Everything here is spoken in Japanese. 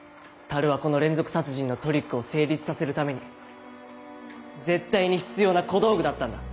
樽はこの連続殺人のトリックを成立させるために絶対に必要な小道具だったんだ。